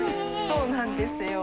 そうなんですよ。